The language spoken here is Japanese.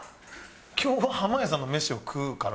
今日は濱家さんの飯を食うから。